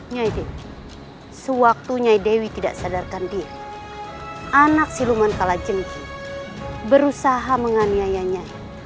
nyai dewi sewaktu nyai dewi tidak sadarkan diri anak siluman kalajenggi berusaha menganiayanya